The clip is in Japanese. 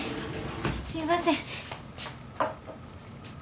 すいません。